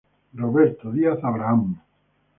Roberto Díaz Abraham.